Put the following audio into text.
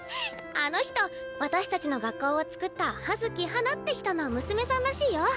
あの人私たちの学校をつくった葉月花って人の娘さんらしいよ。